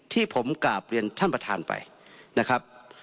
ที่ผมกราบเรียนท่านประธานไปนะครับ